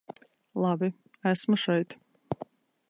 Labi, esmu šeit.